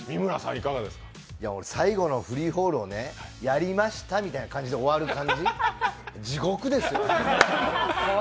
最後のフリーフォールをやりましたみたいな感じで終わる感じ、地獄ですよ、あれ。